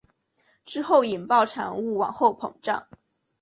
之后引爆产物往后膨胀。